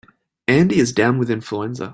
Andy is down with influenza.